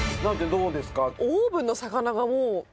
どうですか？